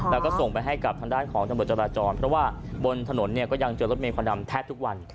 แล้วก็ส่งไปให้กับทางด้านของตำรวจจราจรเพราะว่าบนถนนเนี่ยก็ยังเจอรถเมยควันดำแทบทุกวัน